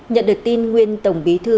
nhận được tin nguyên tổng bí thư